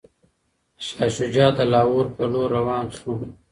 شاه شجاع د لاهور په لور روان شو.